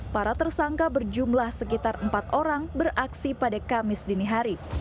para tersangka berjumlah sekitar empat orang beraksi pada kamis dini hari